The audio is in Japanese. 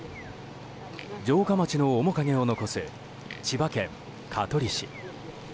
城下町の面影を残す千葉県香取市。